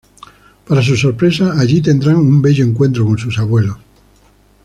Para su sorpresa, allí tendrán un bello encuentro con sus abuelos.